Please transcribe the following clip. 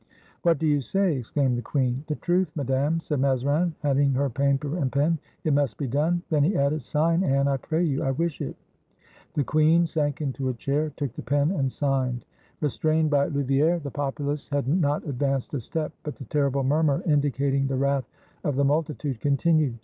"What do you say?" exclaimed the queen. "The truth, Madame," said Mazarin, handing her paper and pen; "it must be done." Then he added, "Sign, Anne, I pray you; I wish it!" The queen sank into a chair, took the pen, and signed. Restrained by Louvieres, the populace had not ad vanced a step; but the terrible murmur indicating the wrath of the multitude continued.